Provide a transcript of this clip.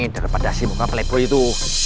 daripada si muka pelepro itu